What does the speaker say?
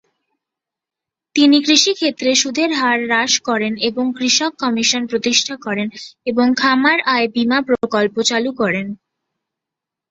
তিনি কৃষিক্ষেত্রে সুদের হার হ্রাস করেন এবং কৃষক কমিশন প্রতিষ্ঠা করেন এবং খামার আয় বীমা প্রকল্প চালু করেন।